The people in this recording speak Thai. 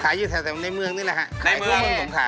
ขายอยู่แถวในเมืองนี่แหละฮะขายในเมืองสมขาฮะ